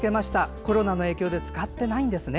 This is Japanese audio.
コロナの影響で使っていないんでしょうね。